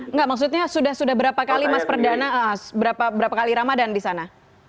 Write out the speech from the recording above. nggak maksudnya sudah berapa kali mas perdana berapa kali ramadhan di sana